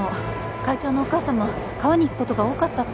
会長のお母様川に行くことが多かったって。